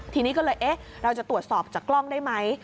ทีนี้ก็เลยเอ๊ะเราจะตรวจสอบจากกล้องได้ไหม